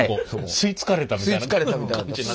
吸い付かれたみたいな。